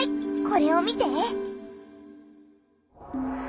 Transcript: これを見て！